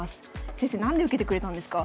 先生何で受けてくれたんですか？